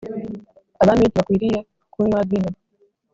abami ntibakwiriye kunywa vino,